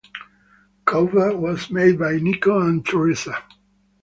Cover was made by Nico and Theresa.